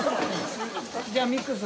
じゃあミックス。